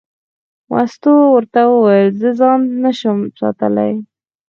مستو ورته وویل: زه ځان نه شم ساتلی.